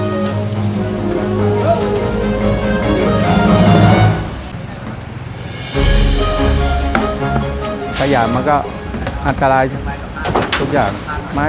และที่เราต้องใช้เวลาในการปฏิบัติหน้าที่ระยะเวลาหนึ่งนะครับ